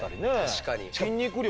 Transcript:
確かに。